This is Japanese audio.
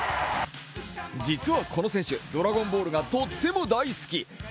実はこの選手「ドラゴンボール」がとっても大好き。